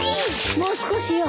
もう少しよ